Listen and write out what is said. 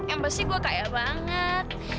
ember sih gue kaya banget